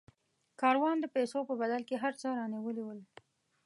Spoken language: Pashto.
کاروان د پیسو په بدل کې هر څه رانیولي ول.